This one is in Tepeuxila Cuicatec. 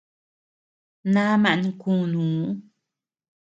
Naaman kunuu.